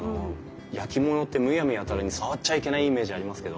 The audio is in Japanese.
焼き物ってむやみやたらに触っちゃいけないイメージありますけど。